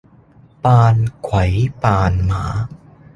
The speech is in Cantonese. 扮鬼扮馬